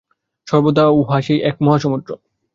সর্বদা উহা সেই এক মহাসমুদ্র।